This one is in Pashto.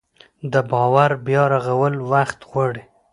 د باور بیا رغول وخت غواړي